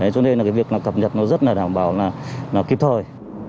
cho nên việc cập nhật rất đảm bảo là kịp thời